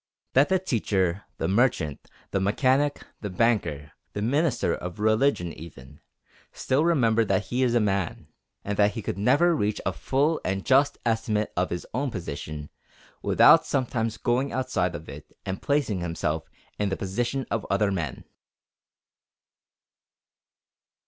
Let the teacher, the merchant, the mechanic, the banker, the lawyer, the minister of religion even, still remember that he is a man, and that he can never reach a full and just estimate of his own position without sometimes going outside of it and placing himself in the position of other men.